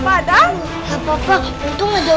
adam kenapa kenapa adam